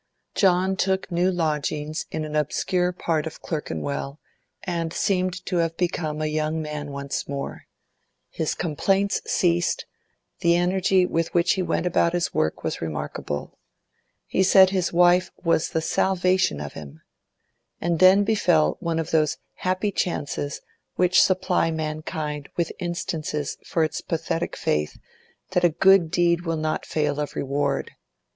John took new lodgings in an obscure part of Clerkenwell, and seemed to have become a young man once more. His complaints ceased; the energy with which he went about his work was remarkable. He said his wife was the salvation of him. And then befell one of those happy chances which supply mankind with instances for its pathetic faith that a good deed will not fail of reward.